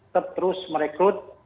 tetap terus merekrut